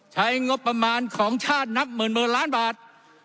ใช้งบประมาณของชาตินับหมื่นล้านบาท